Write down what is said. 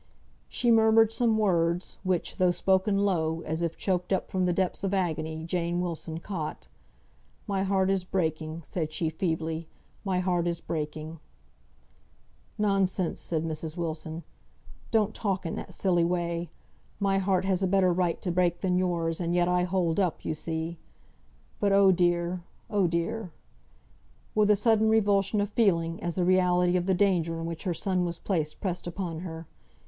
She murmured some words, which, though spoken low, as if choked up from the depths of agony, Jane Wilson caught. "My heart is breaking," said she, feebly. "My heart is breaking." "Nonsense!" said Mrs. Wilson. "Don't talk in that silly way. My heart has a better right to break than yours, and yet I hold up, you see. But, oh dear! oh dear!" with a sudden revulsion of feeling, as the reality of the danger in which her son was placed pressed upon her.